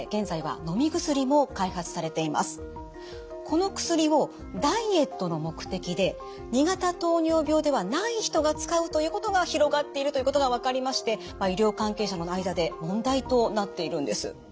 この薬をダイエットの目的で２型糖尿病ではない人が使うということが広がっているということが分かりまして医療関係者の間で問題となっているんです。